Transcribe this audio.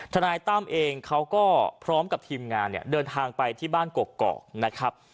ธนายตำเองเขาก็พร้อมกับทีมงานเดินทางไปที่บ้านกกอก